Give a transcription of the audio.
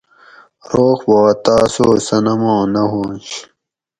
روغ پا تاۤس او صنماں نہ ھواںش